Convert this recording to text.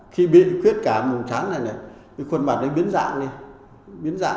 khi bị khuyết cảm vùng trán này này